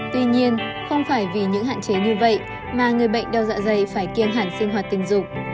tuy nhiên không phải vì những hạn chế như vậy mà người bệnh đau dạ dày phải kiêng hẳn sinh hoạt tình dục